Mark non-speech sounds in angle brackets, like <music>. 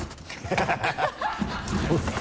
ハハハ <laughs>